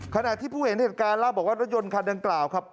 ขณะที่ผู้เห็นเหตุการณ์เล่าบอกว่ารถยนต์คันดังกล่าวครับ